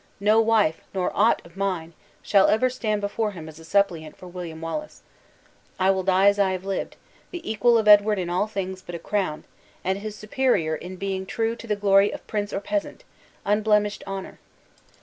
No wife, nor aught of mine, shall ever stand before him as a suppliant for William Wallace. I will die as I have lived, the equal of Edward in all things but a crown, and his superior in being true to the glory of prince or peasant unblemished honor!"